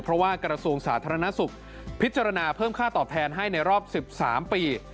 เพราะว่ากระทรวงสาธารณสุขพิจารณาเพิ่มค่าตอบแทนให้ในรอบ๑๓ปี